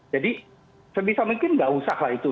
jadi sebisa mungkin tidak usahlah itu